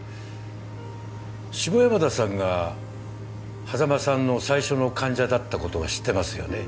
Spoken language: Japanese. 下山田さんが波佐間さんの最初の患者だったことは知ってますよね？